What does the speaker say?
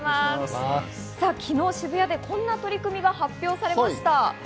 昨日、渋谷でこんな取り組みが発表されました。